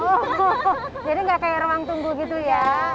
oh jadi nggak kayak ruang tunggu gitu ya